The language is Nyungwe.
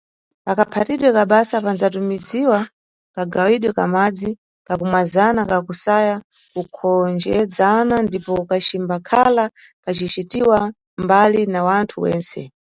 Pakaphatidwe ka basa, pandzatumbiziwa kagawidwe ka madzi ka kumwazana, ka kusaya kukonchezana ndipo kacimbakhala kacicitiwa mbali na wanthu wentse.